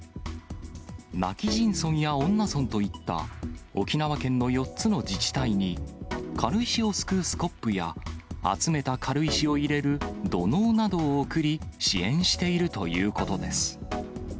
今帰仁村や恩納村といった、沖縄県の４つの自治体に、軽石をすくうスコップや、集めた軽石を入れる土のうなどを送り、支援しているということです。